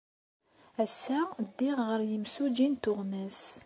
Ass-a, ddiɣ ɣer yimsujji n tuɣmas.